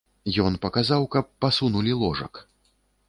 Ён паказаў, каб пасунулі ложак.